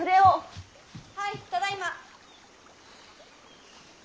はいただいま。